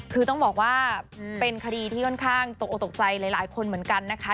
คือต้องบอกว่าเป็นคดีที่ค่อนข้างตกออกตกใจหลายคนเหมือนกันนะคะ